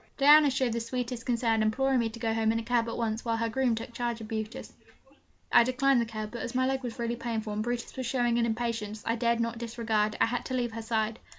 Diana showed the sweetest concern, imploring me to go home in a cab at once, while her groom took charge of Brutus. I declined the cab; but, as my leg was really painful, and Brutus was showing an impatience I dared not disregard, I had to leave her side.